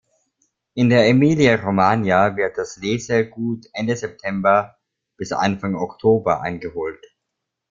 In der Emilia-Romagna wird das Lesegut Ende September bis Anfang Oktober eingeholt.